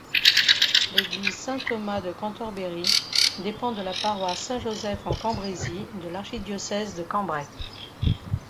L'église Saint-Thomas-de-Cantorbéry dépend de la paroisse Saint-Joseph-en-Cambrésis de l'archidiocèse de Cambrai.